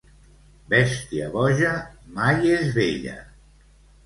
Bèstia boja mai és vella.